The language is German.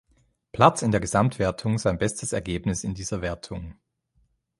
Platz in der Gesamtwertung sein bestes Ergebnis in dieser Wertung.